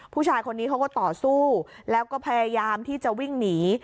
ผู้ชายคนนี้เขาก็ต่อสู้แล้วก็พยายามที่จะวิ่งหนี